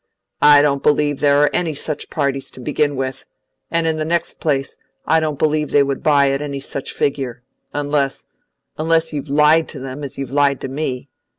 "I don't believe there are any such parties to begin with; and in the next place, I don't believe they would buy at any such figure; unless unless you've lied to them, as you've lied to me.